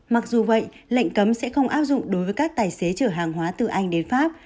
mặc dù vậy lệnh cấm sẽ không áp dụng đối với các tài xế chở hàng hóa từ anh đến pháp